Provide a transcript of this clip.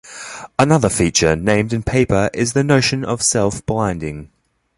Another feature named in paper is the notion of self-blinding.